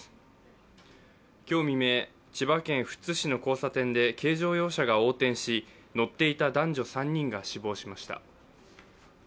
今日未明、千葉県富津市の交差点で軽乗用車が横転し乗っていた男女３人が死亡しました。